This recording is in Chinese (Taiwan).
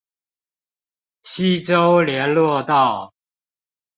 溪州連絡道